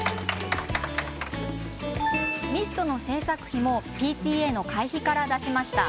ミストの制作費もＰＴＡの会費から出しました。